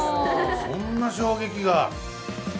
そんな衝撃が。